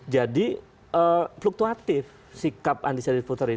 jadi fluktuatif sikap undecided voter itu